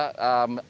akan ada informasi